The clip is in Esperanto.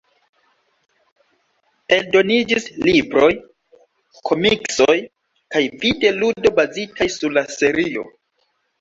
Eldoniĝis libroj, komiksoj, kaj vide-ludo bazitaj sur la serio.